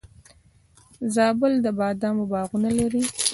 زابل د بادامو باغونه لري